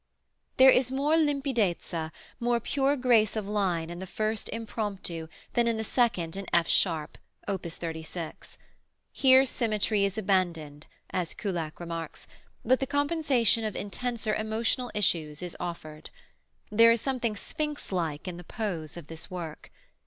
There is more limpidezza, more pure grace of line in the first Impromptu than in the second in F sharp, op. 36. Here symmetry is abandoned, as Kullak remarks, but the compensation of intenser emotional issues is offered. There is something sphinx like in the pose of this work.